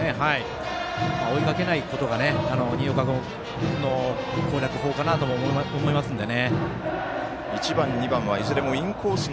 追いかけないことが新岡君の攻略法かなと思いますので。